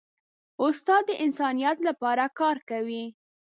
استاد د انسانیت لپاره کار کوي.